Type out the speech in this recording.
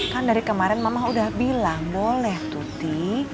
kan dari kemarin mamah udah bilang boleh tuti